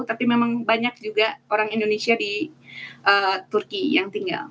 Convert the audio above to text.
tapi memang banyak juga orang indonesia di turki yang tinggal